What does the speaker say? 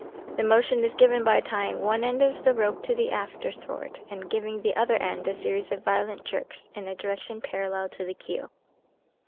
The motion is given by tying one end of the rope to the afterthwart, and giving the other end a series of violent jerks in a direction parallel to the keel.